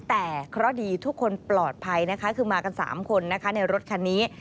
แต่เพราะดีทุกคนปลอดภัยคือมากัน๓คนในรถคันนี้